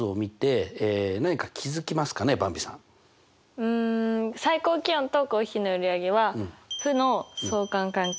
うん最高気温とコーヒーの売り上げは負の相関関係。